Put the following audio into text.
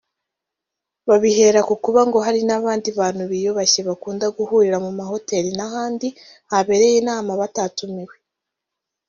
Babihera ku kuba ngo hari n’abandi bantu biyubashye bakunda guhurira mu mahoteli n’ahandi habereye inama batatumiwe